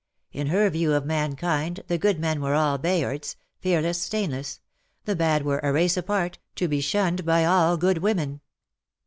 In her view of mankind the good men were all Bayards — fearless, stainless ; the bad were a race apart, to be shunned by all good women.